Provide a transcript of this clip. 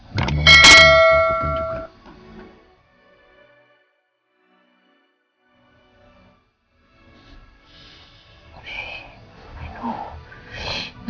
nggak mau ngapain aku pun juga